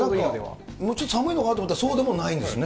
もうちょっと寒いのかな？と思ったら、そうでもないんですね。